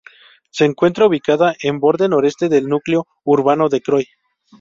Se encuentra ubicada en borde noreste del núcleo urbano de Croy.